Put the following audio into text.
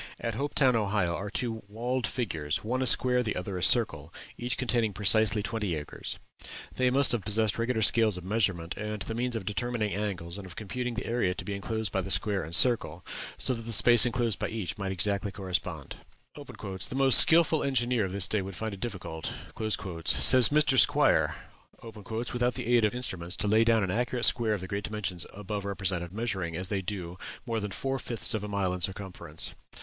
At Hopetown, Ohio, are two walled figures one a square, the other a circle each containing precisely twenty acres. They must have possessed regular scales of measurement, and the means of determining angles and of computing the area to be enclosed by the square and the circle, so that the space enclosed by each might exactly correspond. "The most skilful engineer of this day would find it difficult," says Mr. Squier, "without the aid of instruments, to lay down an accurate square of the great dimensions above represented, measuring, as they do, more than four fifths of a mile in circumference....